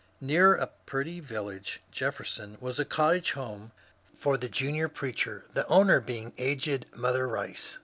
Near a pretty vil lage (Jefferson) was a cottage home for the junior preacher, the owner being aged ^^ Mother Rice."